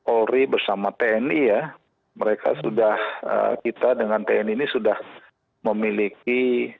polri bersama tni ya mereka sudah kita dengan tni ini sudah memiliki